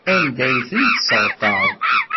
Anda ay ten-tesseɣtaḍ?